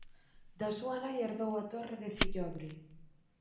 Da súa nai herdou a torre de Cillobre.